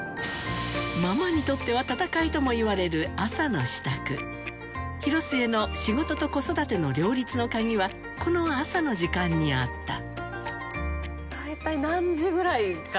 ママにとっては闘いともいわれる朝の支度広末の仕事と子育ての両立のカギはこの朝の時間にあった大体。